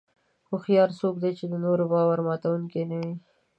هوښیار څوک دی چې د نورو باور ماتوونکي نه وي.